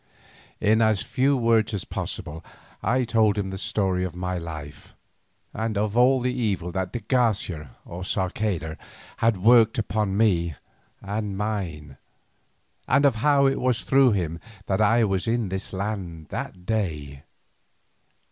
In as few words as possible I told him the story of my life, of all the evil that de Garcia or Sarceda had worked upon me and mine, and of how it was through him that I was in this land that day.